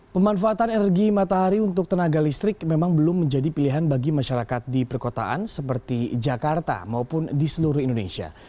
pemanfaatan energi matahari untuk tenaga listrik memang belum menjadi pilihan bagi masyarakat di perkotaan seperti jakarta maupun di seluruh indonesia